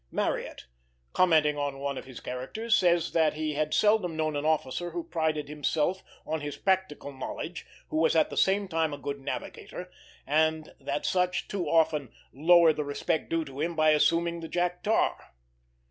Marryat, commenting on one of his characters, says that he had seldom known an officer who prided himself on his "practical" knowledge who was at the same time a good navigator; and that such too often "lower the respect due to them by assuming the Jack Tar."